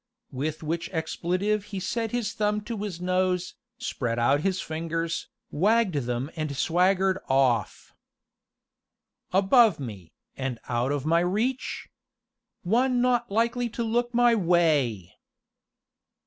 With which expletive he set his thumb to his nose, spread out his fingers, wagged them and swaggered off. Above me, and out of my reach! One not likely to look my way!